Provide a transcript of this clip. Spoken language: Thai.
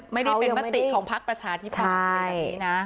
ไม่ได้เป็นมติของพักประชาธิปัตย์แบบนี้นะ